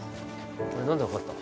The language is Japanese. あれ何で分かった？